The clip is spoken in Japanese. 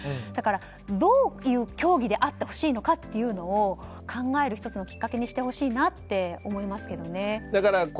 だから、どういう競技であってほしいのかというのを考える１つのきっかけにしてほしいなと思いますけどね。